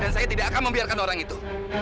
dan saya tidak akan membiarkan orang itu